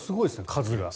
数が。